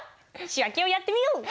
仕訳をやってみよう！